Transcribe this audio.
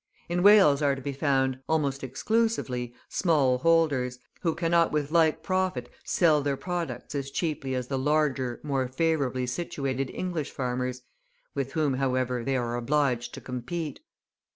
In Wales are to be found, almost exclusively, small holders, who cannot with like profit sell their products as cheaply as the larger, more favourably situated English farmers, with whom, however, they are obliged to compete.